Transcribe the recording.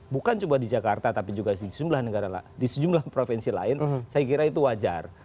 bukan cuma di jakarta tapi juga di sejumlah provinsi lain saya kira itu wajar